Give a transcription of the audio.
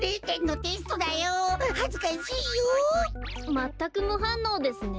まったくむはんのうですね。